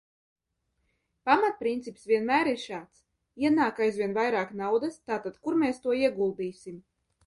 Pamatprincips vienmēr ir šāds: ienāk aizvien vairāk naudas, tātad kur mēs to ieguldīsim?